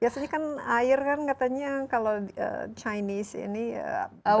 biasanya kan air kan katanya kalau chinese ini